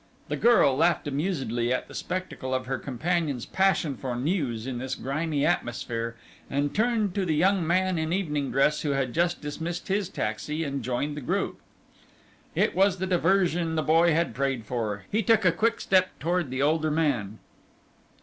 The girl laughed amusedly at the spectacle of her companion's passion for news in this grimy atmosphere, and turned to the young man in evening dress who had just dismissed his taxi and joined the group. It was the diversion the boy had prayed for. He took a quick step toward the older man.